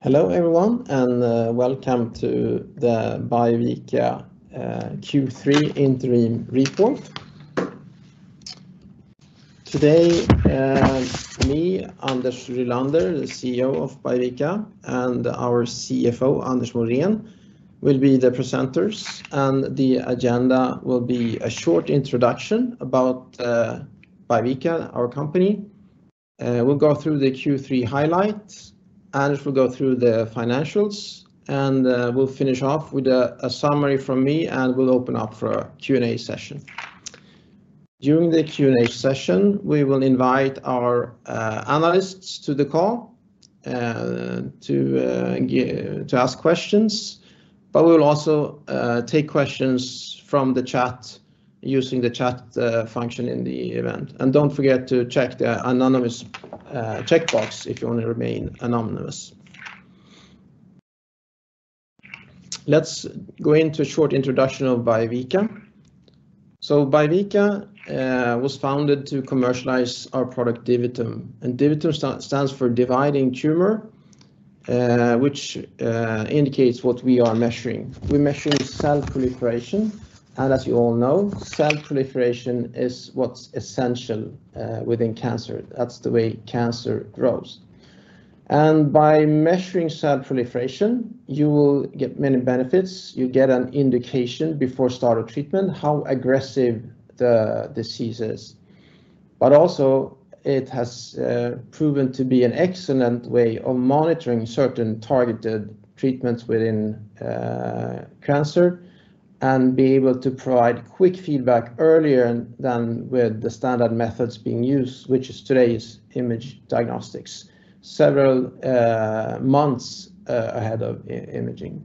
Hello everyone, and welcome to the Biovica Q3 Interim Report. Today, me, Anders Rylander, the CEO of Biovica, and our CFO, Anders Morén, will be the presenters, and the agenda will be a short introduction about Biovica, our company. We'll go through the Q3 highlights, Anders will go through the financials, and we'll finish off with a summary from me, and we'll open up for a Q&A session. During the Q&A session, we will invite our analysts to the call to ask questions, but we'll also take questions from the chat using the chat function in the event. Do not forget to check the anonymous checkbox if you want to remain anonymous. Let's go into a short introduction of Biovica. Biovica was founded to commercialize our product, DiviTum. DiviTum stands for dividing tumor, which indicates what we are measuring. We're measuring cell proliferation, and as you all know, cell proliferation is what's essential within cancer. That's the way cancer grows. By measuring cell proliferation, you will get many benefits. You get an indication before start of treatment, how aggressive the disease is. It has proven to be an excellent way of monitoring certain targeted treatments within cancer and be able to provide quick feedback earlier than with the standard methods being used, which is today's image diagnostics, several months ahead of imaging.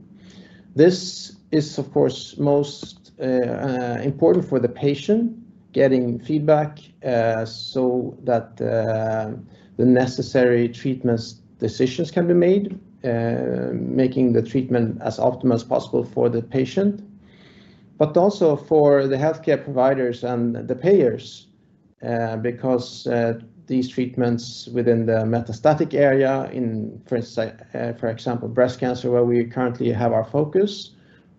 This is, of course, most important for the patient, getting feedback so that the necessary treatment decisions can be made, making the treatment as optimal as possible for the patient, but also for the healthcare providers and the payers, because these treatments within the metastatic area, for example, breast cancer, where we currently have our focus,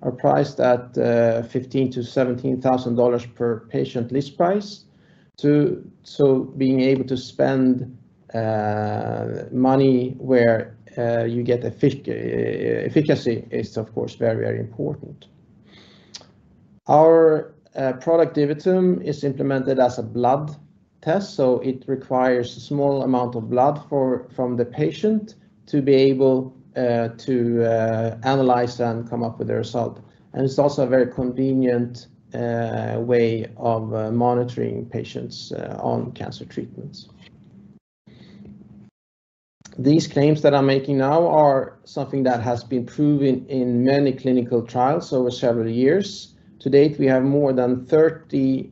are priced at $15,000-$17,000 per patient list price. Being able to spend money where you get efficacy is, of course, very, very important. Our product, DiviTum, is implemented as a blood test, so it requires a small amount of blood from the patient to be able to analyze and come up with a result. It is also a very convenient way of monitoring patients on cancer treatments. These claims that I'm making now are something that has been proven in many clinical trials over several years. To date, we have more than 30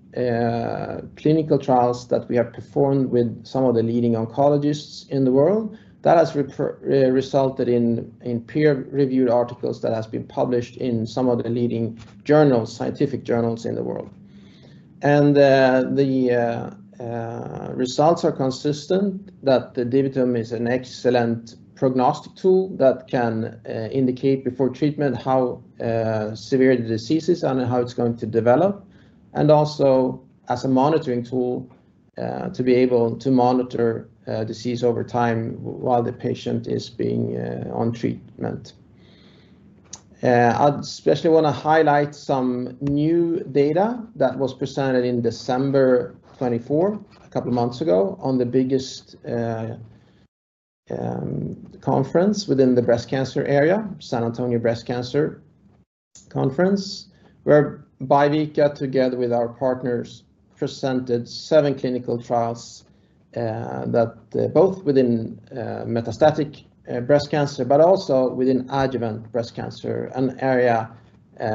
clinical trials that we have performed with some of the leading oncologists in the world. That has resulted in peer-reviewed articles that have been published in some of the leading scientific journals in the world. The results are consistent that the DiviTum is an excellent prognostic tool that can indicate before treatment how severe the disease is and how it's going to develop, and also as a monitoring tool to be able to monitor disease over time while the patient is being on treatment. I especially want to highlight some new data that was presented in December 2024, a couple of months ago, on the biggest conference within the breast cancer area, San Antonio Breast Cancer Conference, where Biovica, together with our partners, presented seven clinical trials that both within metastatic breast cancer, but also within adjuvant breast cancer, an area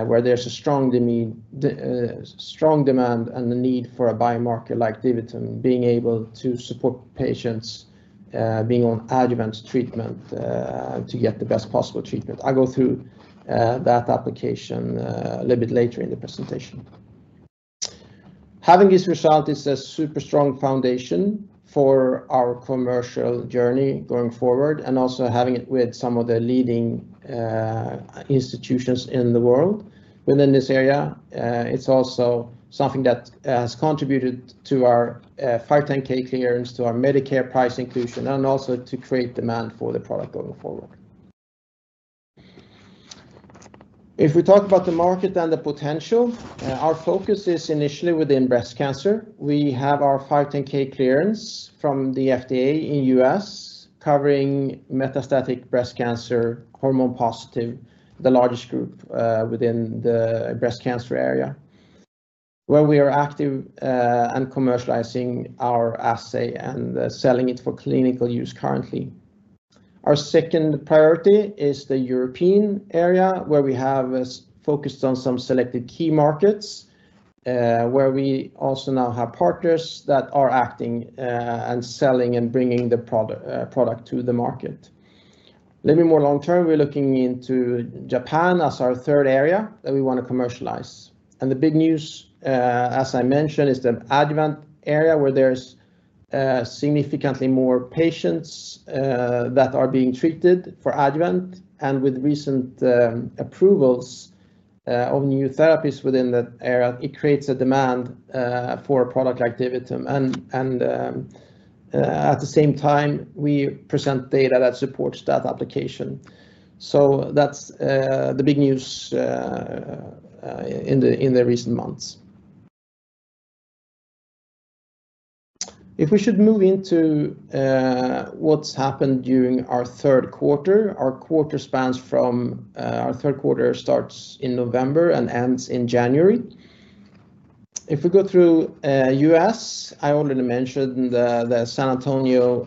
where there's a strong demand and the need for a biomarker like DiviTum, being able to support patients being on adjuvant treatment to get the best possible treatment. I'll go through that application a little bit later in the presentation. Having this result is a super strong foundation for our commercial journey going forward, and also having it with some of the leading institutions in the world within this area. It's also something that has contributed to our 510(k) clearance, to our Medicare price inclusion, and also to create demand for the product going forward. If we talk about the market and the potential, our focus is initially within breast cancer. We have our 510(k) clearance from the FDA in the U.S., covering metastatic breast cancer, hormone positive, the largest group within the breast cancer area, where we are active and commercializing our assay and selling it for clinical use currently. Our second priority is the European area, where we have focused on some selected key markets, where we also now have partners that are acting and selling and bringing the product to the market. A little bit more long-term, we're looking into Japan as our third area that we want to commercialize. The big news, as I mentioned, is the adjuvant area, where there's significantly more patients that are being treated for adjuvant. With recent approvals of new therapies within that area, it creates a demand for a product like DiviTum. At the same time, we present data that supports that application. That's the big news in the recent months. If we should move into what's happened during our third quarter, our quarter spans from November and ends in January. If we go through U.S., I already mentioned the San Antonio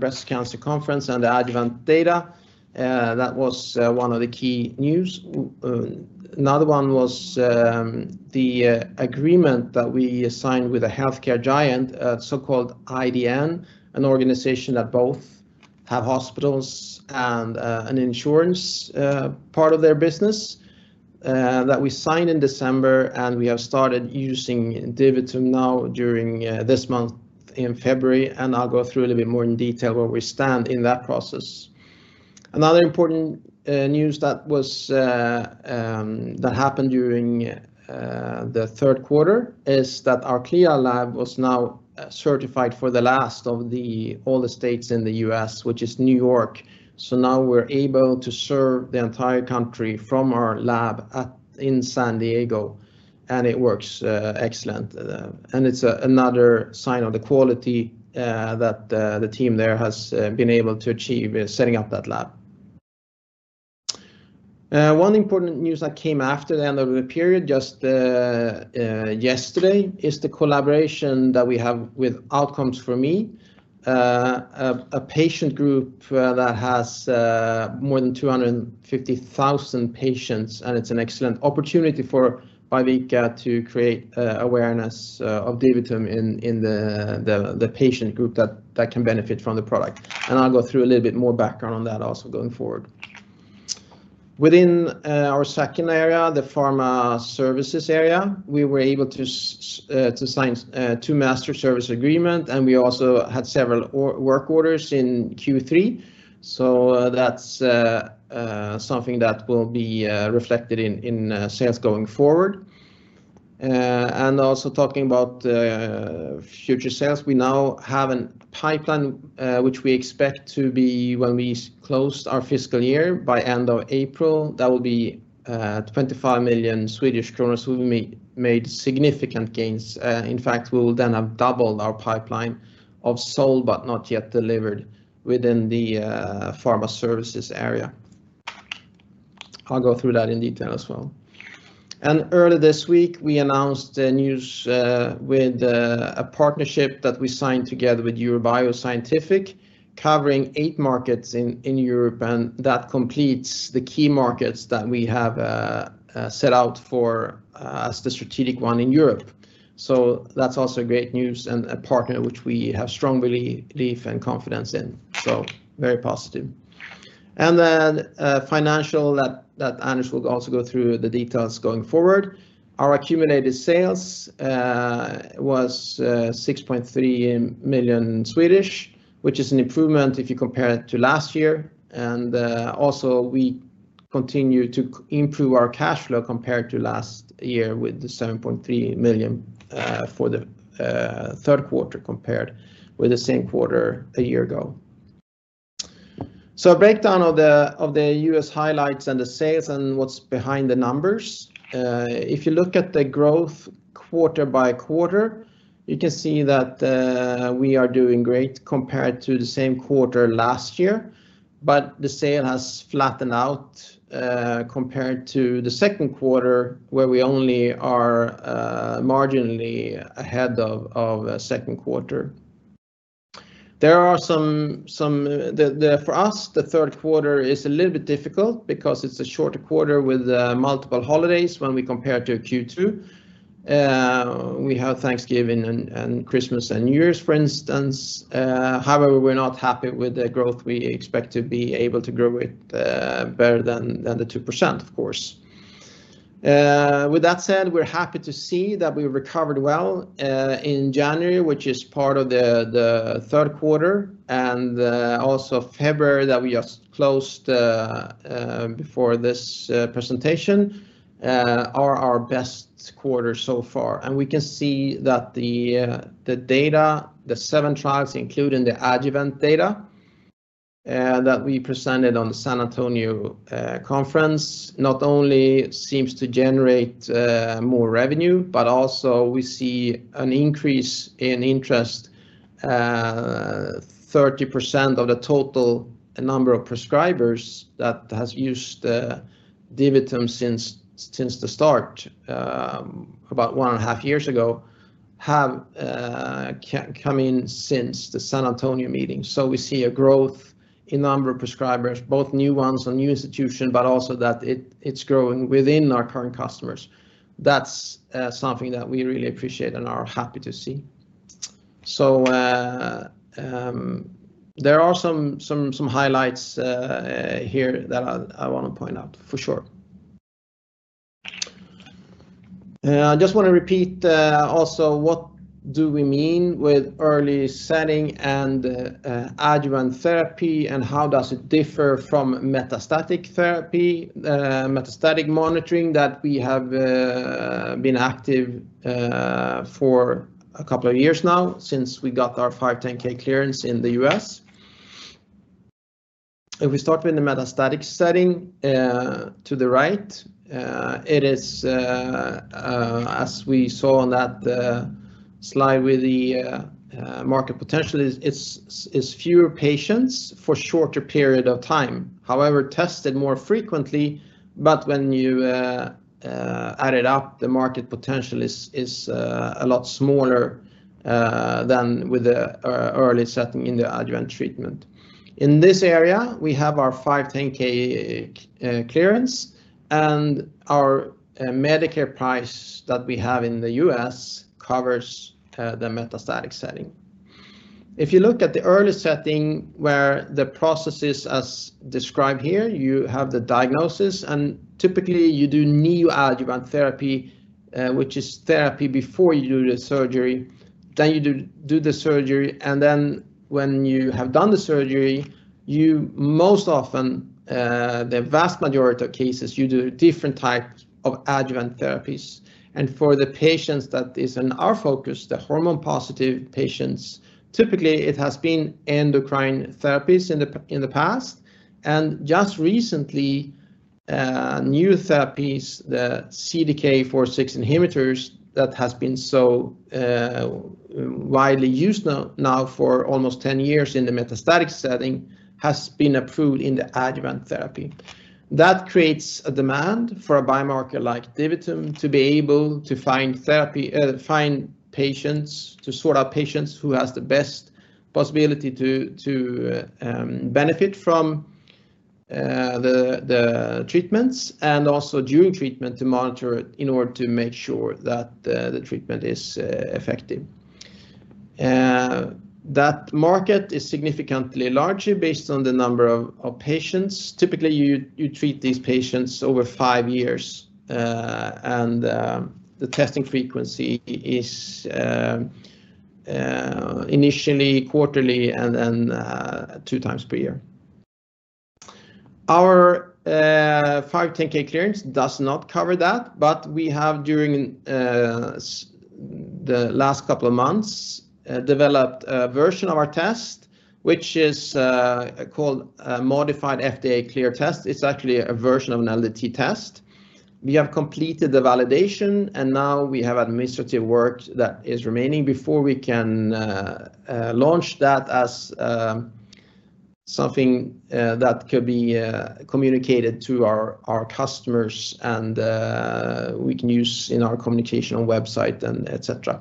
Breast Cancer Conference and the adjuvant data. That was one of the key news. Another one was the agreement that we signed with a healthcare giant, a so-called IDN, an organization that both have hospitals and an insurance part of their business, that we signed in December, and we have started using DiviTum now during this month in February. I'll go through a little bit more in detail where we stand in that process. Another important news that happened during the third quarter is that our CLIA lab was now certified for the last of all the states in the U.S., which is New York. Now we're able to serve the entire country from our lab in San Diego, and it works excellent. It's another sign of the quality that the team there has been able to achieve setting up that lab. One important news that came after the end of the period, just yesterday, is the collaboration that we have with Outcomes4Me, a patient group that has more than 250,000 patients, and it's an excellent opportunity for Biovica to create awareness of DiviTum in the patient group that can benefit from the product. I'll go through a little bit more background on that also going forward. Within our second area, the pharma services area, we were able to sign two master service agreements, and we also had several work orders in Q3. That is something that will be reflected in sales going forward. Also talking about future sales, we now have a pipeline which we expect to be, when we close our fiscal year by end of April, that will be 25 million Swedish kronor, so we made significant gains. In fact, we will then have doubled our pipeline of sold but not yet delivered within the pharma services area. I will go through that in detail as well. Earlier this week, we announced the news with a partnership that we signed together with Eurobio Scientific, covering eight markets in Europe, and that completes the key markets that we have set out as the strategic one in Europe. That is also great news and a partner which we have strong belief and confidence in. Very positive. Financially, Anders will also go through the details going forward. Our accumulated sales was 6.3 million, which is an improvement if you compare it to last year. We continue to improve our cash flow compared to last year with 7.3 million for the third quarter compared with the same quarter a year ago. A breakdown of the U.S. highlights and the sales and what's behind the numbers. If you look at the growth quarter by quarter, you can see that we are doing great compared to the same quarter last year, but the sale has flattened out compared to the second quarter, where we only are marginally ahead of second quarter. There are some, for us, the third quarter is a little bit difficult because it's a shorter quarter with multiple holidays when we compare to Q2. We have Thanksgiving and Christmas and New Year's, for instance. However, we're not happy with the growth. We expect to be able to grow it better than the 2%, of course. With that said, we're happy to see that we recovered well in January, which is part of the third quarter, and also February that we just closed before this presentation are our best quarter so far. We can see that the data, the seven trials, including the adjuvant data that we presented on the San Antonio Conference, not only seems to generate more revenue, but also we see an increase in interest. 30% of the total number of prescribers that has used DiviTum since the start, about one and a half years ago, have come in since the San Antonio meeting. We see a growth in the number of prescribers, both new ones and new institutions, but also that it's growing within our current customers. That's something that we really appreciate and are happy to see. There are some highlights here that I want to point out for sure. I just want to repeat also what do we mean with early setting and adjuvant therapy, and how does it differ from metastatic therapy, metastatic monitoring that we have been active for a couple of years now since we got our 510(k) clearance in the U.S.. If we start with the metastatic setting to the right, it is, as we saw on that slide with the market potential, it's fewer patients for a shorter period of time. However, tested more frequently, but when you add it up, the market potential is a lot smaller than with the early setting in the adjuvant treatment. In this area, we have our 510(k) clearance, and our Medicare price that we have in the U.S. covers the metastatic setting. If you look at the early setting, where the process is as described here, you have the diagnosis, and typically, you do neoadjuvant therapy, which is therapy before you do the surgery. You do the surgery, and when you have done the surgery, you most often, in the vast majority of cases, do different types of adjuvant therapies. For the patients that are in our focus, the hormone-positive patients, typically, it has been endocrine therapies in the past. Just recently, new therapies, the CDK4/6 inhibitors that have been so widely used now for almost 10 years in the metastatic setting, have been approved in the adjuvant therapy. That creates a demand for a biomarker like DiviTum to be able to find patients, to sort out patients who have the best possibility to benefit from the treatments, and also during treatment to monitor in order to make sure that the treatment is effective. That market is significantly larger based on the number of patients. Typically, you treat these patients over five years, and the testing frequency is initially quarterly and then two times per year. Our 510(k) clearance does not cover that, but we have, during the last couple of months, developed a version of our test, which is called a modified FDA-cleared test. It's actually a version of an LDT test. We have completed the validation, and now we have administrative work that is remaining before we can launch that as something that could be communicated to our customers, and we can use in our communication on website, etc.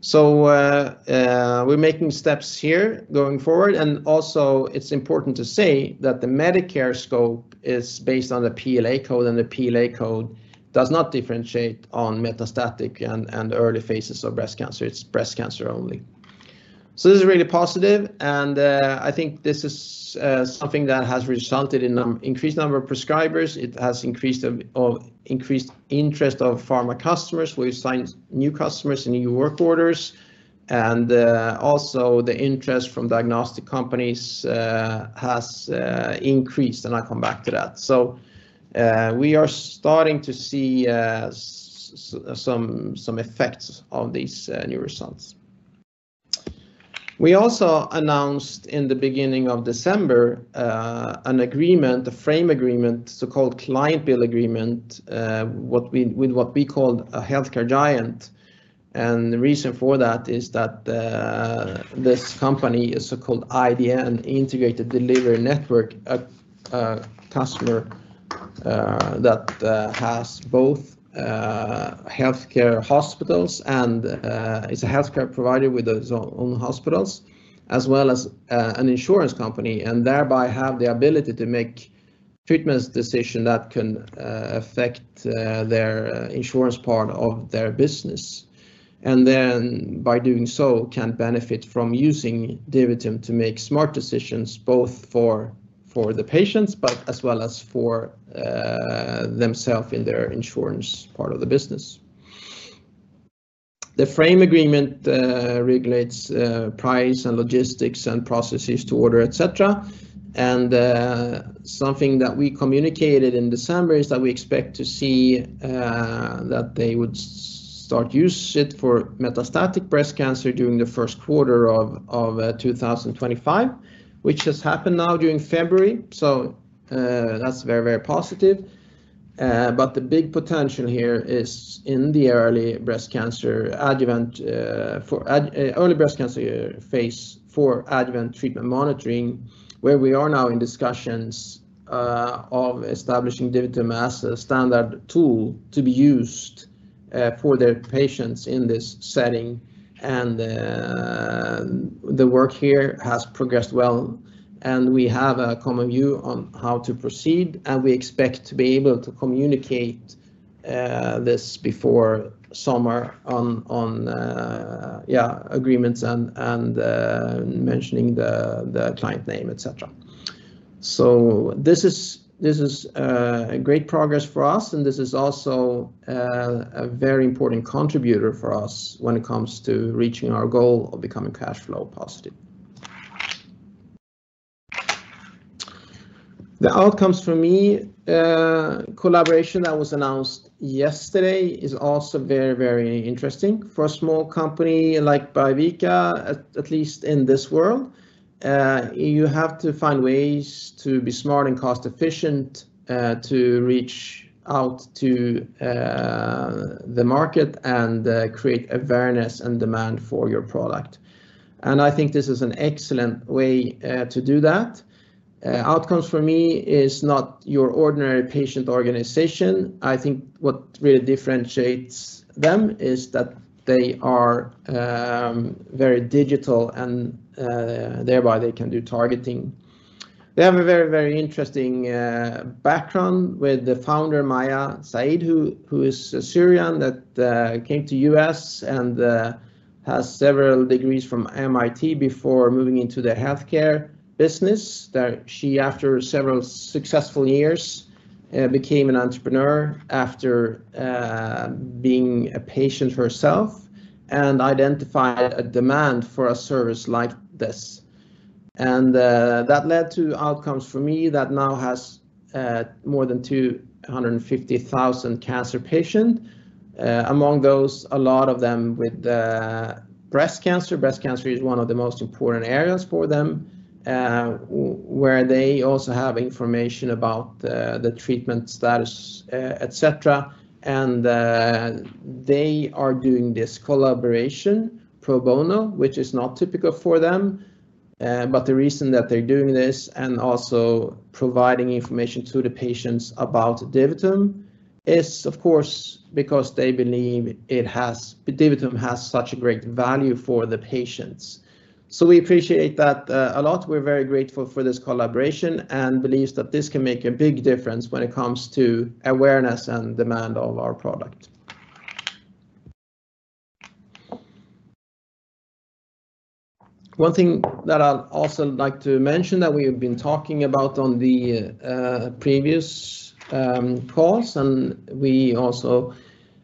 We are making steps here going forward. It is important to say that the Medicare scope is based on the PLA code, and the PLA code does not differentiate on metastatic and early phases of breast cancer. It is breast cancer only. This is really positive, and I think this is something that has resulted in an increased number of prescribers. It has increased interest of pharma customers. We have signed new customers and new work orders, and also the interest from diagnostic companies has increased, and I will come back to that. We are starting to see some effects of these new results. We also announced in the beginning of December an agreement, a frame agreement, so-called client bill agreement with what we called a healthcare giant. The reason for that is that this company is a so-called IDN, Integrated Delivery Network, a customer that has both healthcare hospitals and is a healthcare provider with its own hospitals, as well as an insurance company, and thereby have the ability to make treatment decisions that can affect their insurance part of their business. By doing so, they can benefit from using DiviTum to make smart decisions both for the patients, as well as for themselves in their insurance part of the business. The frame agreement regulates price and logistics and processes to order, etc. Something that we communicated in December is that we expect to see that they would start using it for metastatic breast cancer during the first quarter of 2025, which has happened now during February. That is very, very positive. The big potential here is in the early breast cancer adjuvant for early breast cancer phase for adjuvant treatment monitoring, where we are now in discussions of establishing DiviTum as a standard tool to be used for their patients in this setting. The work here has progressed well, and we have a common view on how to proceed, and we expect to be able to communicate this before summer on agreements and mentioning the client name, etc. This is great progress for us, and this is also a very important contributor for us when it comes to reaching our goal of becoming cash flow positive. The Outcomes4Me collaboration that was announced yesterday is also very, very interesting. For a small company like Biovica, at least in this world, you have to find ways to be smart and cost-efficient to reach out to the market and create awareness and demand for your product. I think this is an excellent way to do that. Outcomes4Me is not your ordinary patient organization. I think what really differentiates them is that they are very digital, and thereby they can do targeting. They have a very, very interesting background with the founder, Maya Said, who is Syrian, that came to the U.S. and has several degrees from MIT before moving into the healthcare business. She, after several successful years, became an entrepreneur after being a patient herself and identified a demand for a service like this. That led to Outcomes4Me that now has more than 250,000 cancer patients. Among those, a lot of them with breast cancer. Breast cancer is one of the most important areas for them, where they also have information about the treatment status, etc. They are doing this collaboration pro bono, which is not typical for them. The reason that they're doing this and also providing information to the patients about DiviTum is, of course, because they believe DiviTum has such a great value for the patients. We appreciate that a lot. We're very grateful for this collaboration and believe that this can make a big difference when it comes to awareness and demand of our product. One thing that I'd also like to mention that we have been talking about on the previous calls, and we also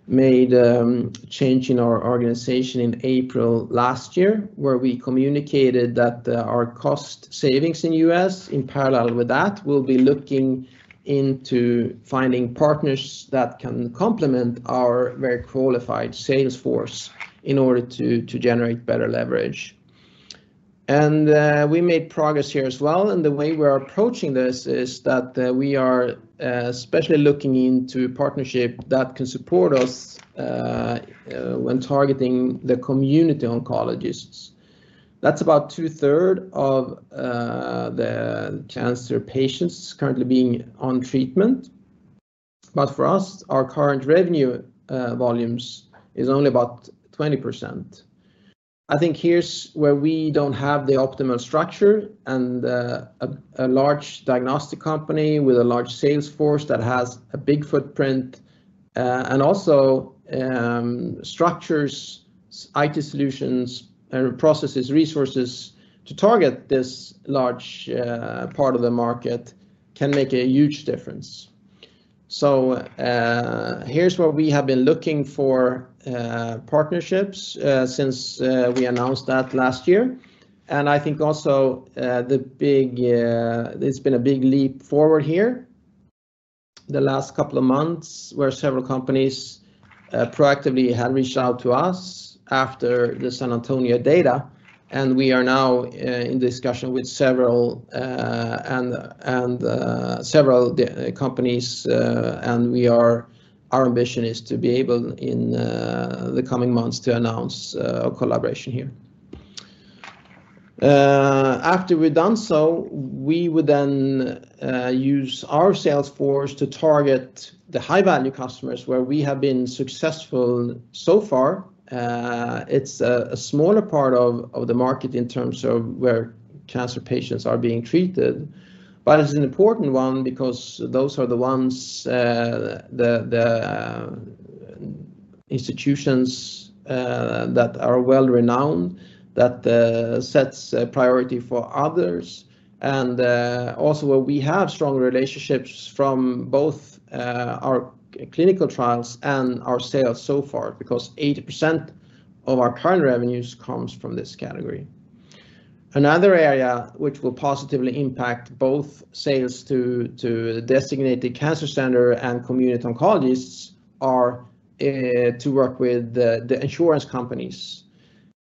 made a change in our organization in April last year, where we communicated that our cost savings in the U.S., in parallel with that, will be looking into finding partners that can complement our very qualified salesforce in order to generate better leverage. We made progress here as well. The way we're approaching this is that we are especially looking into a partnership that can support us when targeting the community oncologists. That's about two-thirds of the cancer patients currently being on treatment. For us, our current revenue volumes is only about 20%. I think here's where we don't have the optimal structure, and a large diagnostic company with a large salesforce that has a big footprint and also structures, IT solutions, and processes, resources to target this large part of the market can make a huge difference. Here's where we have been looking for partnerships since we announced that last year. I think also the big—it has been a big leap forward here the last couple of months, where several companies proactively had reached out to us after the San Antonio data. We are now in discussion with several companies, and our ambition is to be able, in the coming months, to announce a collaboration here. After we've done so, we would then use our salesforce to target the high-value customers, where we have been successful so far. It's a smaller part of the market in terms of where cancer patients are being treated, but it's an important one because those are the ones—the institutions that are well-renowned—that set priority for others. We have strong relationships from both our clinical trials and our sales so far because 80% of our current revenues come from this category. Another area which will positively impact both sales to the designated cancer center and community oncologists is to work with the insurance companies.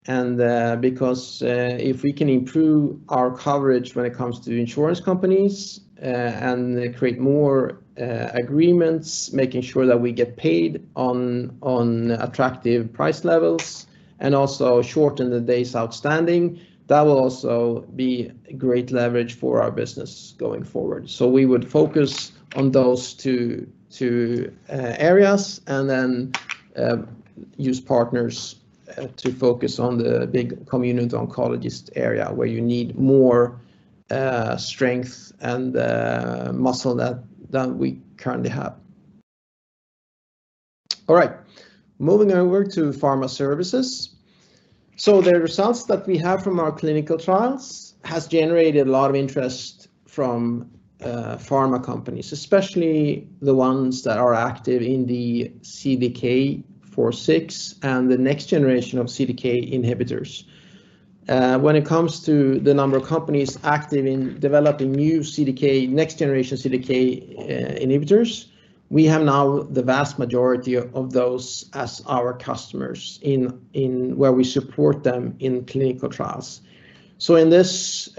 If we can improve our coverage when it comes to insurance companies and create more agreements, making sure that we get paid on attractive price levels and also shorten the days outstanding, that will also be great leverage for our business going forward. We would focus on those two areas and then use partners to focus on the big community oncologist area where you need more strength and muscle than we currently have. All right. Moving over to pharma services. The results that we have from our clinical trials have generated a lot of interest from pharma companies, especially the ones that are active in the CDK4/6 and the next generation of CDK inhibitors. When it comes to the number of companies active in developing new CDK, next generation CDK inhibitors, we have now the vast majority of those as our customers where we support them in clinical trials. In this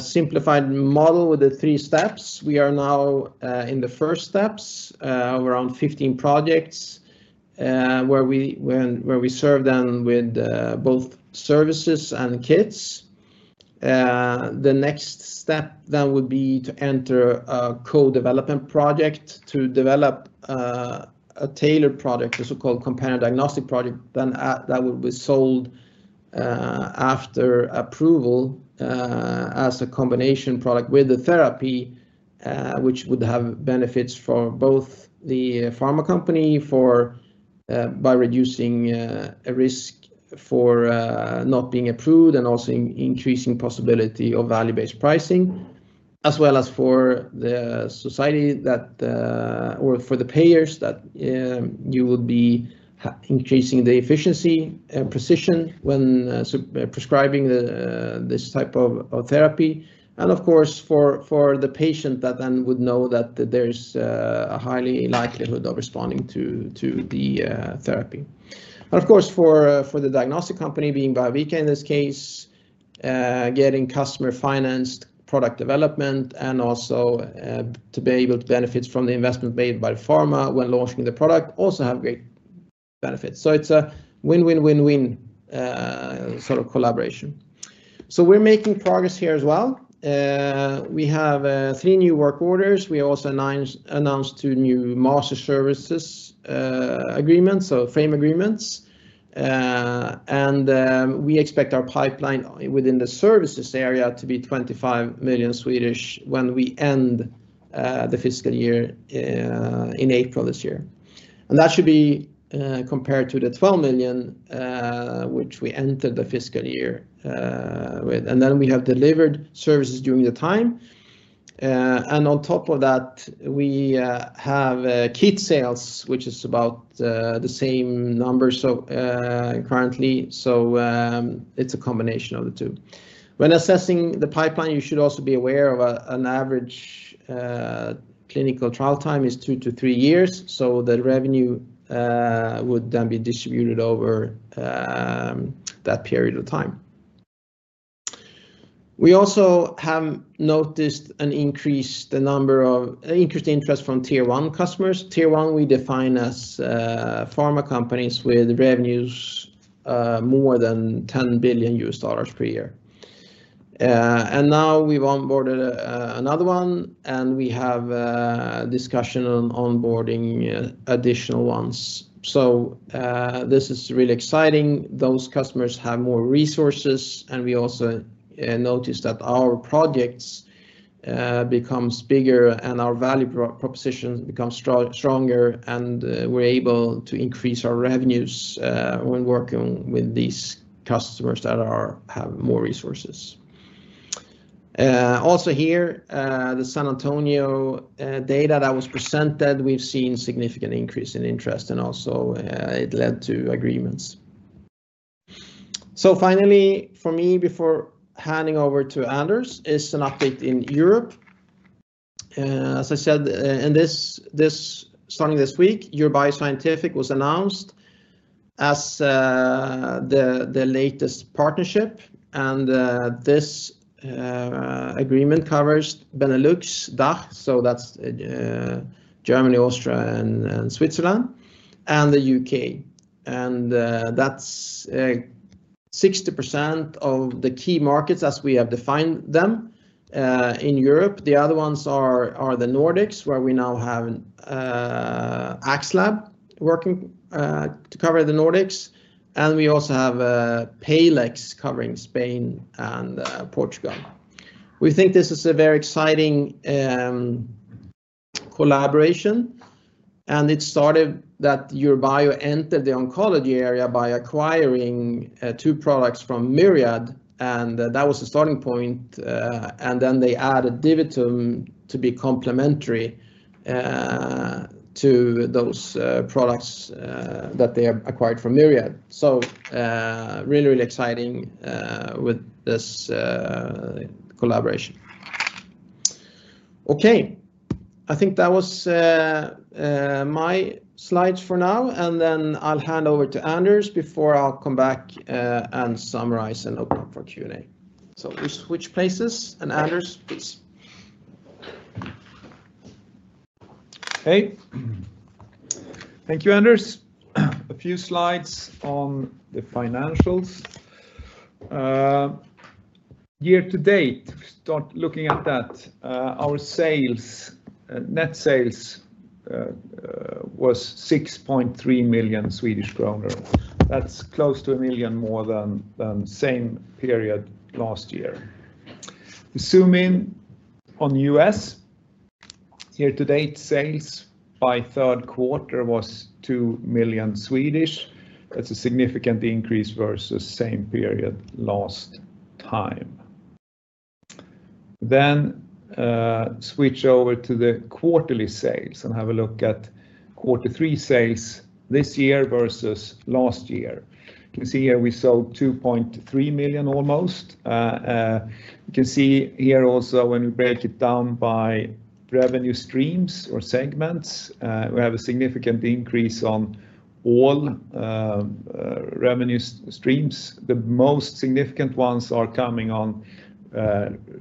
simplified model with the three steps, we are now in the first steps, around 15 projects, where we serve them with both services and kits. The next step then would be to enter a co-development project to develop a tailored product, a so-called companion diagnostic project, that would be sold after approval as a combination product with the therapy, which would have benefits for both the pharma company by reducing risk for not being approved and also increasing the possibility of value-based pricing, as well as for the society or for the payers that you would be increasing the efficiency and precision when prescribing this type of therapy. Of course, for the patient that then would know that there's a high likelihood of responding to the therapy. Of course, for the diagnostic company being Biovica in this case, getting customer-financed product development and also to be able to benefit from the investment made by pharma when launching the product also have great benefits. It is a win-win-win-win sort of collaboration. We're making progress here as well. We have three new work orders. We also announced two new master services agreements, so frame agreements. We expect our pipeline within the services area to be 25 million when we end the fiscal year in April this year. That should be compared to the 12 million which we entered the fiscal year with. We have delivered services during the time. On top of that, we have kit sales, which is about the same numbers currently. It's a combination of the two. When assessing the pipeline, you should also be aware an average clinical trial time is two to three years. The revenue would then be distributed over that period of time. We have also noticed an increased number of increased interest from tier one customers. Tier one we define as pharma companies with revenues more than $10 billion per year. Now we've onboarded another one, and we have discussion on onboarding additional ones. This is really exciting. Those customers have more resources, and we also noticed that our projects become bigger and our value propositions become stronger, and we're able to increase our revenues when working with these customers that have more resources. Also here, the San Antonio data that was presented, we've seen a significant increase in interest, and it led to agreements. Finally, for me, before handing over to Anders, is an update in Europe. As I said, starting this week, Eurobio Scientific was announced as the latest partnership. This agreement covers Benelux, DACH, so that's Germany, Austria, and Switzerland, and the U.K. That is 60% of the key markets as we have defined them in Europe. The other ones are the Nordics, where we now have Axlab working to cover the Nordics. We also have Palex covering Spain and Portugal. We think this is a very exciting collaboration. It started that Eurobio entered the oncology area by acquiring two products from Myriad, and that was the starting point. They added DiviTum to be complementary to those products that they acquired from Myriad. Really, really exciting with this collaboration. Okay. I think that was my slides for now. I will hand over to Anders before I will come back and summarize and open up for Q&A. We switch places. Anders, please. Thank you, Anders. A few slides on the financials. Year to date, start looking at that. Our net sales was 6.3 million Swedish kronor. That's close to a million more than the same period last year. Zoom in on U.S.. Year to date, sales by third quarter was 2 million. That's a significant increase versus the same period last time. Switch over to the quarterly sales and have a look at quarter three sales this year versus last year. You can see here we sold almost 2.3 million. You can see here also when we break it down by revenue streams or segments, we have a significant increase on all revenue streams. The most significant ones are coming on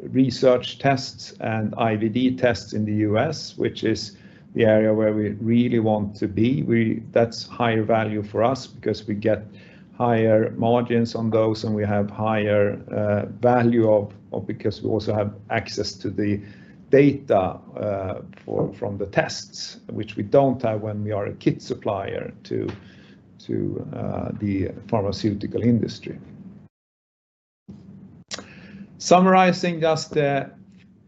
research tests and IVD tests in the U.S., which is the area where we really want to be. That's higher value for us because we get higher margins on those and we have higher value because we also have access to the data from the tests, which we don't have when we are a kit supplier to the pharmaceutical industry. Summarizing just the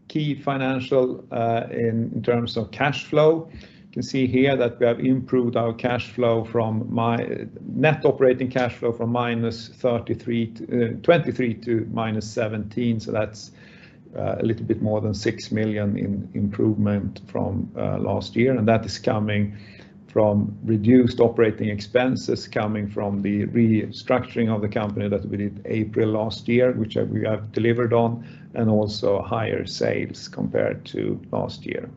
key financial in terms of cash flow, you can see here that we have improved our net operating cash flow from -23 million to -17 million. That's a little bit more than 6 million in improvement from last year. That is coming from reduced operating expenses coming from the restructuring of the company that we did in April last year, which we have delivered on, and also higher sales compared to last year.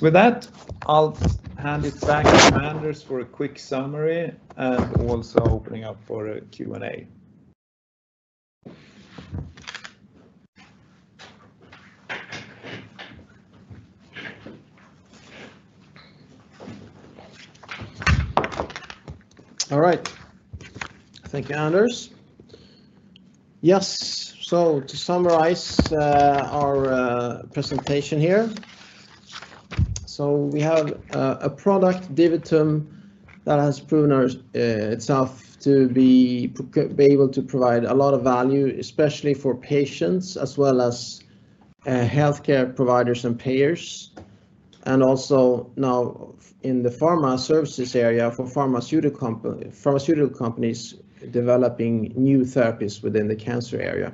With that, I'll hand it back to Anders for a quick summary and also opening up for a Q&A. All right. Thank you, Anders. Yes. To summarize our presentation here, we have a product, DiviTum, that has proven itself to be able to provide a lot of value, especially for patients as well as healthcare providers and payers, and also now in the pharma services area for pharmaceutical companies developing new therapies within the cancer area.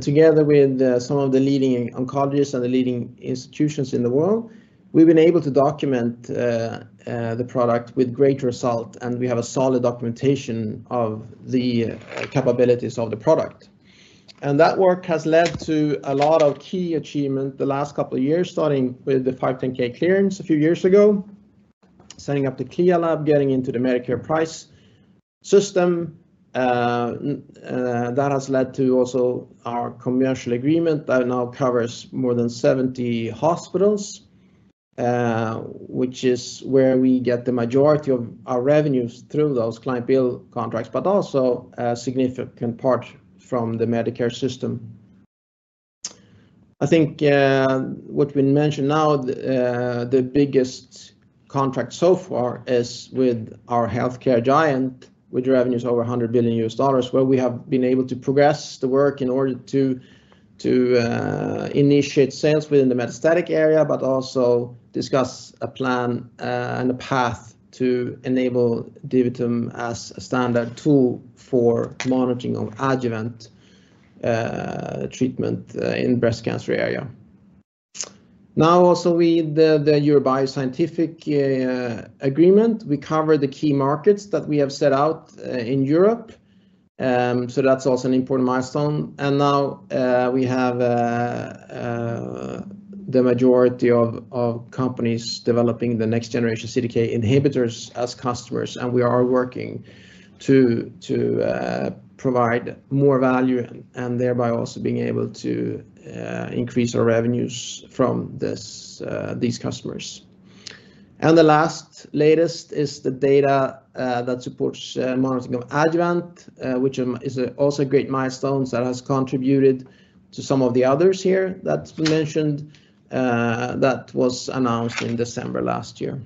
Together with some of the leading oncologists and the leading institutions in the world, we've been able to document the product with great result, and we have a solid documentation of the capabilities of the product. That work has led to a lot of key achievements the last couple of years, starting with the 510(k) clearance a few years ago, setting up the CLIA lab, getting into the Medicare price system. That has led to also our commercial agreement that now covers more than 70 hospitals, which is where we get the majority of our revenues through those client-billed contracts, but also a significant part from the Medicare system. I think what we mentioned now, the biggest contract so far is with our healthcare giant, which revenues over $100 billion, where we have been able to progress the work in order to initiate sales within the metastatic area, but also discuss a plan and a path to enable DiviTum as a standard tool for monitoring of adjuvant treatment in the breast cancer area. Now, also with the Eurobio Scientific agreement, we cover the key markets that we have set out in Europe. That is also an important milestone. We have the majority of companies developing the next generation CDK inhibitors as customers, and we are working to provide more value and thereby also being able to increase our revenues from these customers. The last latest is the data that supports monitoring of adjuvant, which is also a great milestone that has contributed to some of the others here that we mentioned that was announced in December last year.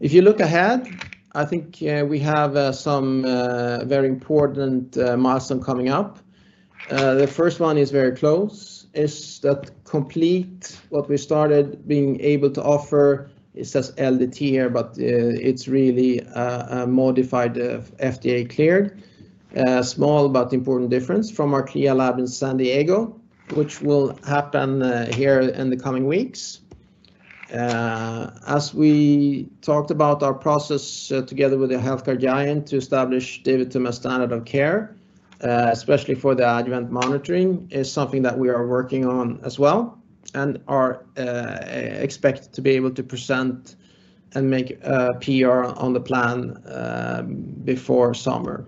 If you look ahead, I think we have some very important milestones coming up. The first one is very close. It's that complete what we started being able to offer. It says LDT here, but it's really a modified FDA cleared. Small but important difference from our CLIA lab in San Diego, which will happen here in the coming weeks. As we talked about, our process together with the healthcare giant to establish DiviTum as standard of care, especially for the adjuvant monitoring, is something that we are working on as well and are expected to be able to present and make PR on the plan before summer.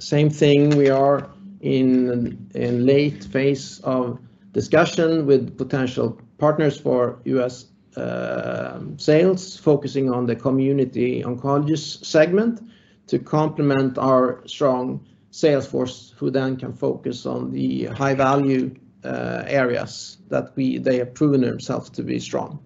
Same thing, we are in a late phase of discussion with potential partners for U.S. sales, focusing on the community oncologist segment to complement our strong salesforce, who then can focus on the high-value areas that they have proven themselves to be strong.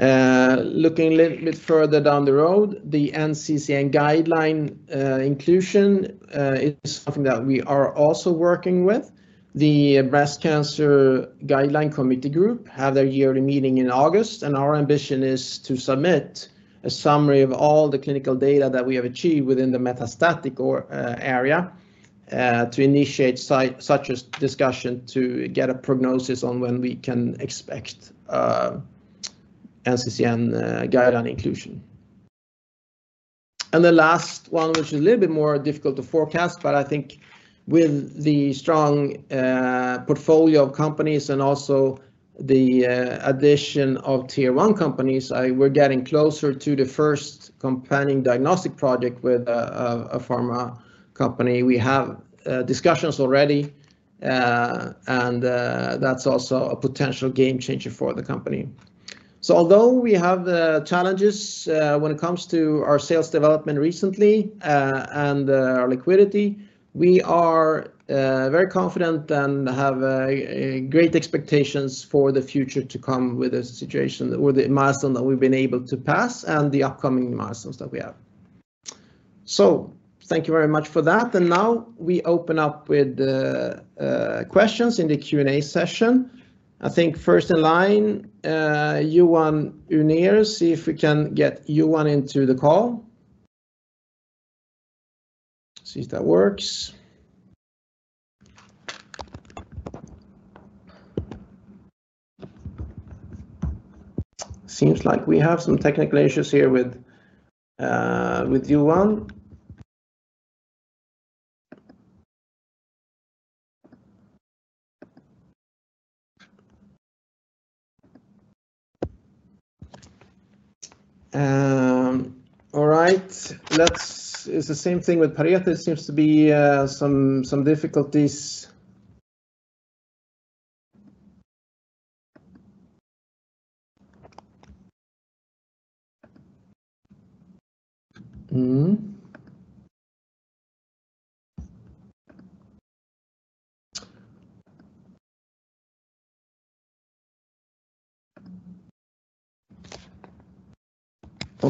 Looking a little bit further down the road, the NCCN guideline inclusion is something that we are also working with. The Breast Cancer Guideline Committee Group has their yearly meeting in August, and our ambition is to submit a summary of all the clinical data that we have achieved within the metastatic area to initiate such a discussion to get a prognosis on when we can expect NCCN guideline inclusion. The last one, which is a little bit more difficult to forecast, but I think with the strong portfolio of companies and also the addition of tier one companies, we're getting closer to the first companion diagnostic project with a pharma company. We have discussions already, and that's also a potential game changer for the company. Although we have challenges when it comes to our sales development recently and our liquidity, we are very confident and have great expectations for the future to come with the situation or the milestone that we've been able to pass and the upcoming milestones that we have. Thank you very much for that. Now we open up with questions in the Q&A session. I think first in line, Johan Unnerus, see if we can get Johan into the call. See if that works. It seems like we have some technical issues here with Johan. All right. It's the same thing with Pareto. It seems to be some difficulties.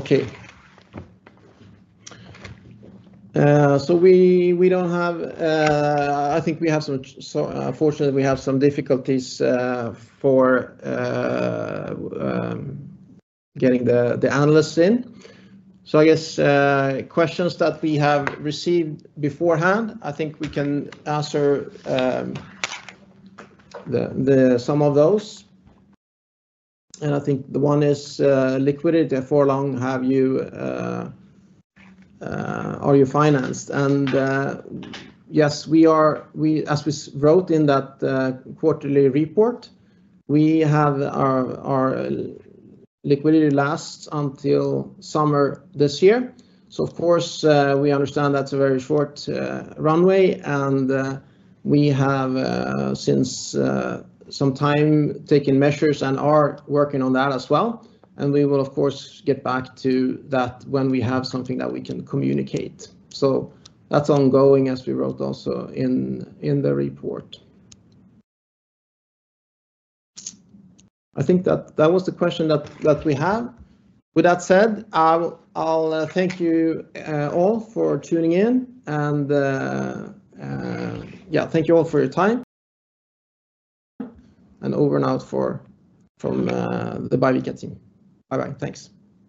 We have some, fortunately, we have some difficulties for getting the analysts in. I guess questions that we have received beforehand, I think we can answer some of those. I think the one is liquidity. How long are you financed? Yes, as we wrote in that quarterly report, our liquidity lasts until summer this year. Of course, we understand that's a very short runway, and we have since some time taken measures and are working on that as well. We will, of course, get back to that when we have something that we can communicate. That is ongoing as we wrote also in the report. I think that was the question that we have. With that said, I'll thank you all for tuning in. Thank you all for your time. Over and out from the Biovica team. Bye-bye. Thanks.